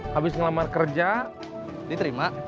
habis ngelamar kerja diterima